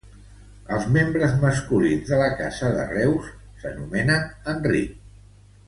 Els membres masculins de la Casa de Reuss s'anomenen Enric.